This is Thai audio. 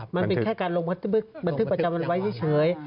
มันเป็นแค่การลงบันทึกประจำวันไว้เฉย